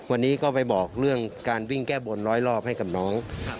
วันนี้ก็ไปบอกเรื่องการวิ่งแก้บนร้อยรอบให้กับน้อง